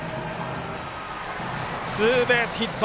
ツーベースヒット。